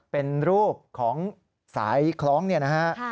เป็นรูปของสายคล้องเนี่ยนะฮะ